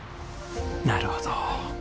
なるほど。